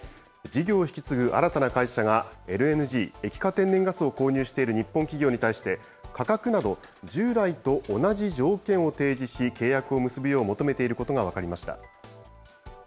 事業を引き継ぐ新たな会社が、ＬＮＧ・液化天然ガスを購入している日本企業に対して、価格など従来と同じ条件を提示し、契約を結ぶよう求めていることが分かりました。